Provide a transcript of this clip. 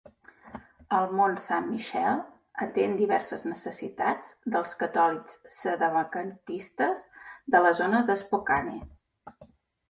El Mount Saint Michael atén diverses necessitats dels catòlics sedevacantistes de la zona de Spokane.